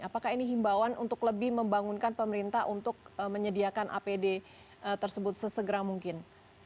apakah ini himbawan untuk lebih membangunkan pemerintah untuk menyediakan apd tersebut sesegera mungkin